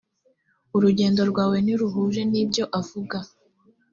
urugendo rwawe ntiruhuje nibyo avuga.